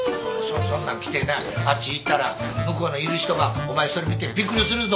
そんなん着てなあっち行ったら向こうにいる人がお前それ見てびっくりするぞ。